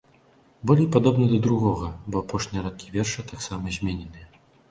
Болей падобна да другога, бо апошнія радкі верша таксама змененыя.